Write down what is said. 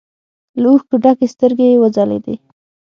له اوښکو ډکې سترګې يې وځلېدې.